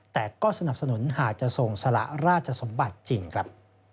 แต่ก็สนับสนุนหากจะส่งสละราชสมบัติจริงครับ